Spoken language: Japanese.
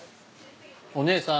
お姉さん。